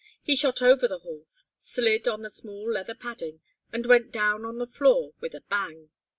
He shot over the horse, slid on the smooth leather padding and went down on the floor with a bang.